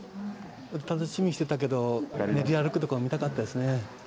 楽しみにしてたけど、練り歩くところ、見たかったですね。